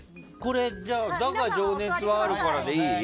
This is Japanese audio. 「だが、情熱はある」からでいい？